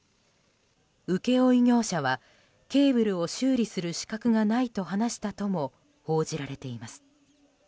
請負業者は、ケーブルを修理する資格がないと話したとも報じられています。